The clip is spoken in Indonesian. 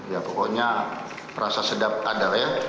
ya pokoknya rasa sedap ada ya